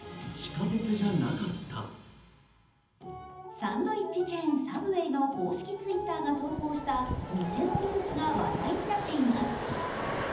サンドイッチ・チェーンＳＡＢＷＡＹの公式Ｔｗｉｔｔｅｒが投稿した店のルーツが話題になっています。